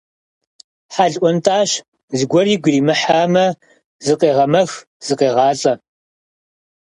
Хьэл ӏуэнтӏащ, зыгуэр игу иримыхьамэ зыкъегъэмэх, зыкъегъалӏэ.